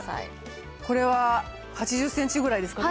これは８０センチぐらいですかね